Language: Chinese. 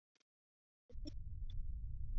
阿吉曼和哈伊马角的麦加利地震烈度为。